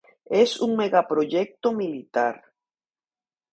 Es un megaproyecto militar.